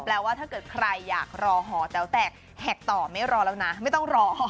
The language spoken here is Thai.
ว่าถ้าเกิดใครอยากรอหอแต๋วแตกแหกต่อไม่รอแล้วนะไม่ต้องรอ